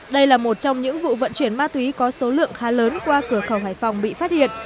đây là một trong những vụ vận chuyển ma túy có số lượng khá lớn qua cửa khẩu hải phòng bị phát hiện